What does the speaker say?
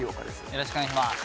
よろしくお願いします。